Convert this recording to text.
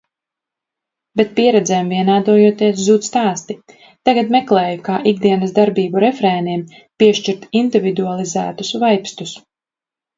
Bet, pieredzēm vienādojoties, zūd stāsti. Tagad meklēju, kā ikdienas darbību refrēniem piešķirt individualizētus vaibstus.